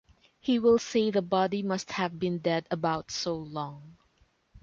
He will say the body must have been dead about so long.